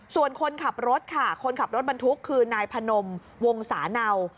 ส่วนคนขับรถค่ะคนขับรถบรรทุกคือนายพนมวงศาเนา